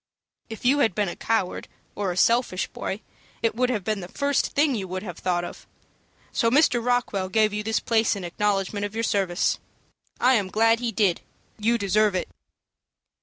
"If you had been a coward or a selfish boy, it would have been the first thing you would have thought of. So Mr. Rockwell gave you this place in acknowledgment of your service. I am glad he did. You deserve it."